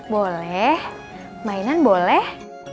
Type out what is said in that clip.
boleh mainan boleh